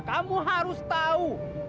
kamu harus tahu